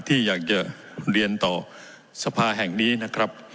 ที่อยากจะเรียนต่อสภาแห่งนี้นะครับ